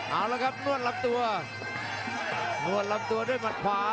เอาละครับนวดลำตัวนวดลำตัวด้วยหมัดขวา